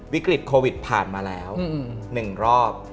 วิกฤตโควิดผ่านมาแล้ว๑รอบ